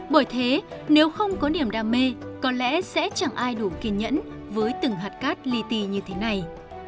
bởi thế nếu không có niềm đam mê có lẽ sẽ chẳng ai đủ kiên nhẫn với từng hạt cát ly tì như thế này